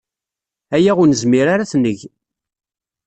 Aya ur nezmir ara ad t-neg.